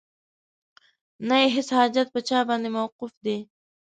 نه یې هیڅ حاجت په چا باندې موقوف دی